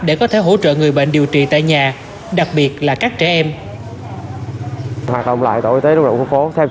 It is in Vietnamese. để có thể hỗ trợ người bệnh điều trị tại nhà